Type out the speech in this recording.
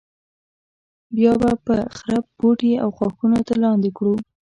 بیا به د خرپ بوټي او ښاخونه تر لاندې کړو.